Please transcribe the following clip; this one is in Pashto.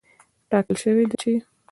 ټاکل شوې ده چې